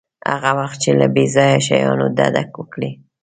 هغه وخت چې له بې ځایه شیانو ډډه وکړئ.